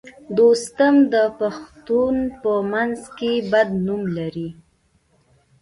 دوستم د پښتنو په منځ کې بد نوم لري